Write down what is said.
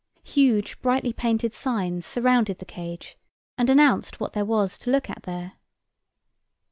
Huge brightly painted signs surrounded the cage and announced what there was to look at there.